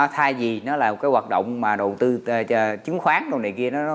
thay vì nó là cái hoạt động mà đầu tư chứng khoán đồ này kia